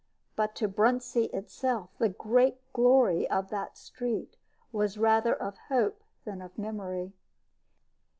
But to Bruntsea itself the great glory of that street was rather of hope than of memory.